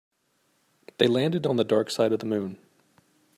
They landed on the dark side of the moon.